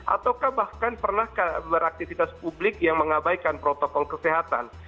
ataukah bahkan pernah beraktivitas publik yang mengabaikan protokol kesehatan